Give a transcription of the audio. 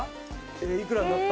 いくらになった？